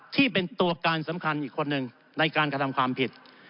ที่เป็นตัวการสำคัญอีกคนหนึ่งในการกระทำความผิด